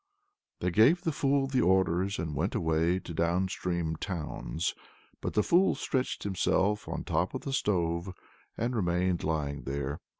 They gave the fool their orders and went away to the downstream towns; but the fool stretched himself on top of the stove and remained lying there.